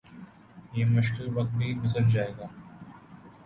یہ مشکل وقت بھی گزر جائے گا